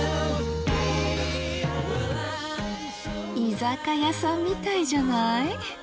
居酒屋さんみたいじゃない？